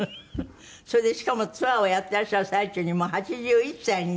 それでしかもツアーをやっていらっしゃる最中にもう８１歳になる。